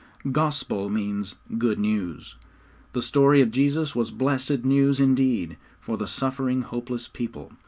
'Gospel' means good news. The story of Jesus was blessed news indeed, for the suffering, hopeless people.